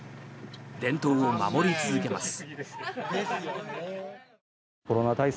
伝統を守り続けます。